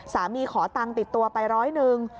สามีขอตังค์ติดตัวไป๑๐๐บาท